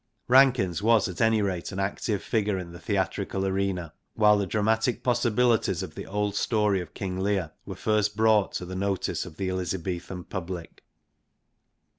Rankins was at any rate an active figure in the theatrical arena while the dramatic possibilities of the old story of King Lear were first brought to the notice of the Elizabethan public.